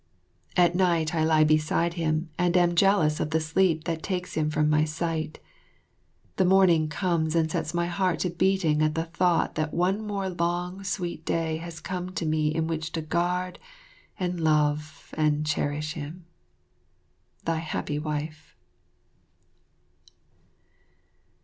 At night I lie beside him and am jealous of the sleep that takes him from my sight. The morning comes and sets my heart to beating at the thought that one more long, sweet day has come to me in which to guard, and love, and cherish him. Thy Happy Wife.